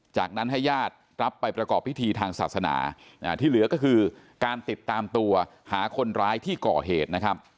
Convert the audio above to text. จากนั้นให้ญาติรับไปประกอบพิธีทางศาสนาที่เหลือก็คือการติดตามตัวหาคนร้ายที่ก่อเหตุนะครับ